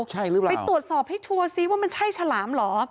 ใช่หรือเปล่าไปตรวจสอบให้ชัวร์ซิว่ามันใช่ฉลามเหรอ